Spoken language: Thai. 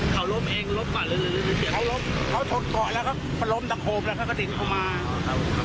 คือเมื่อขวาเกิดอันดับน้อยว่าจะไม่ซ่อนกลับมา